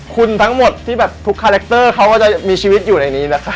คุณทั้งหมดที่แบบทุกคาแรคเตอร์เขาก็จะมีชีวิตอยู่ในนี้แหละค่ะ